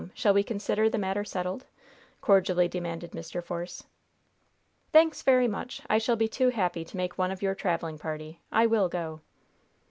Shall we consider the matter settled?" cordially demanded Mr. Force. "Thanks very much. I shall be too happy to make one of your traveling party. I will go."